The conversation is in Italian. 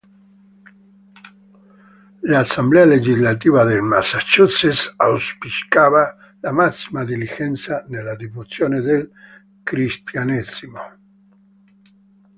L'assemblea legislativa del Massachusetts auspicava la massima diligenza nella diffusione del Cristianesimo.